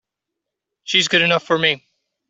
She's good enough for me!